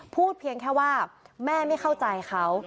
เพียงแค่ว่าแม่ไม่เข้าใจเขา